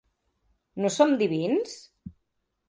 No som divins?